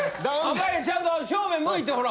濱家ちゃんと正面向いてほら！